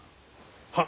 はっ。